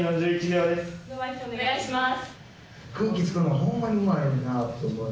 お願いします！